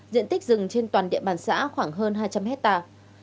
diện tích rừng trên toàn địa bàn xã khoảng hơn hai trăm linh hectare